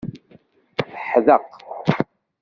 Teḥdeq.